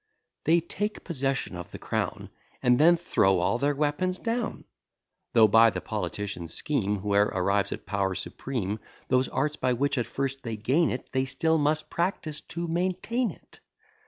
They take possession of the crown, And then throw all their weapons down: Though, by the politician's scheme, Whoe'er arrives at power supreme, Those arts, by which at first they gain it, They still must practise to maintain it.